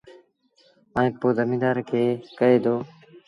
ائيٚݩ پو زميݩدآر کي ڪهي دو